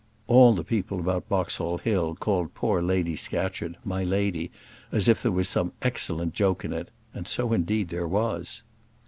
All the people about Boxall Hill called poor Lady Scatcherd "my lady" as if there was some excellent joke in it; and, so, indeed, there was.